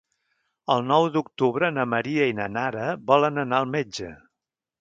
El nou d'octubre na Maria i na Nara volen anar al metge.